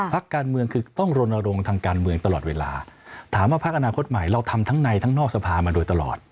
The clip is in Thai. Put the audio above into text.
พักการเมืองคือต้องรณรงค์ทางการเมืองตลอดเวลาถามว่าพักอนาคตใหม่เราทำทั้งในทั้งนอกสภามาโดยตลอด